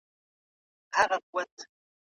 زه زده کړي کوم.